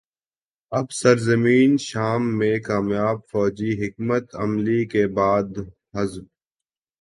اب سرزمین شام میں کامیاب فوجی حکمت عملی کے بعد حزب